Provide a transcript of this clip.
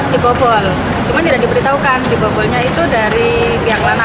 dibobol cuma tidak diberitahukan dibobolnya itu dari pihak mana